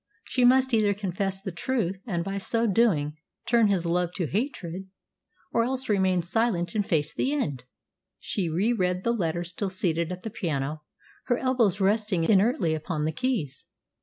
She must either confess the truth, and by so doing turn his love to hatred, or else remain silent and face the end. She reread the letter still seated at the piano, her elbows resting inertly upon the keys.